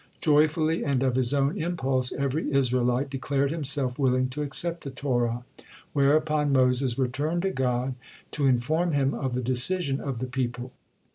Joyfully and of his own impulse, every Israelite declared himself willing to accept the Torah, whereupon Moses returned to God to inform Him of the decision of the people.